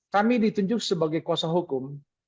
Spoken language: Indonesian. kami ditunjuk sebagai kuasa hukum